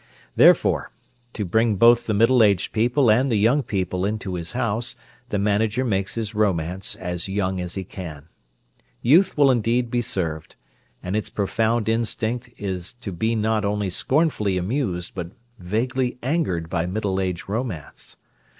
Therefore, to bring both the middle aged people and the young people into his house, the manager makes his romance as young as he can. Youth will indeed be served, and its profound instinct is to be not only scornfully amused but vaguely angered by middle age romance.